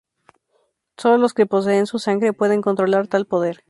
Solo los que poseen su sangre pueden controlar tal poder!